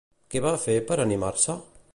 Què va fer per animar-se?